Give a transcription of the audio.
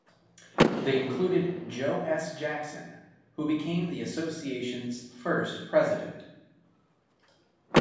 They included Joe S. Jackson, who became the association's first president.